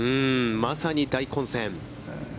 まさに大混戦。